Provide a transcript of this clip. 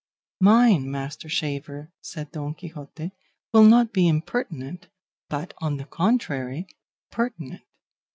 "Mine, master shaver," said Don Quixote, "will not be impertinent, but, on the contrary, pertinent."